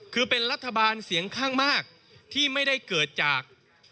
คือเป็นรัฐบาลเสียงข้างมากที่ไม่ได้เกิดจาก